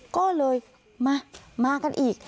ก็เลยมากันอีก